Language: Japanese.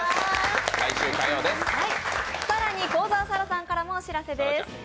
更に幸澤沙良からもお知らせです。